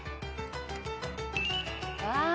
わあ！